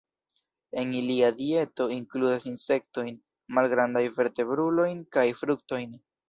En ilia dieto inkludas insektojn, malgrandajn vertebrulojn kaj fruktojn.